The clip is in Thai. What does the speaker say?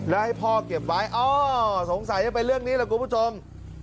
แล้วให้พ่อเก็บไว้อ๋อสงสัยจะเป็นเรื่องนี้แหละคุณผู้ชม